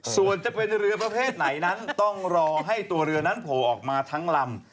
ส่วนจะเป็นเรือประเภทไหนนั้นต้องรอให้ตัวเรือนั้นโผล่ออกมาทั้งลำ